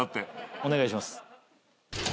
お願いします。